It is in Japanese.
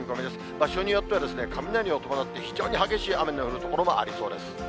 場所によっては雷を伴って、非常に激しい雨の降る所もありそうです。